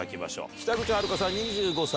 北口榛花さん２５歳。